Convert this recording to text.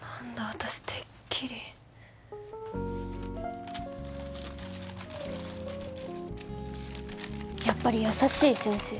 私てっきりやっぱり優しい先生